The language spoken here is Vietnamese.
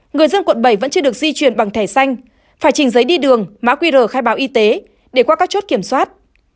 người dân quận bảy vẫn chưa được di chuyển bằng thẻ xanh phải chỉnh giấy đi đường mã qr khai báo y tế để qua các chốt kiểm soát